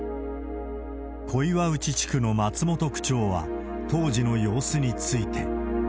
小岩内地区の松本区長は、当時の様子について。